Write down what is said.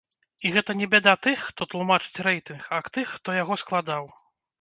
І гэта не бяда тых, хто тлумачыць рэйтынг, а тых, хто яго складаў.